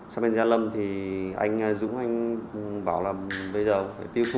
sang bên gia lâm thì anh dũng anh bảo là bây giờ phải tiêu thụ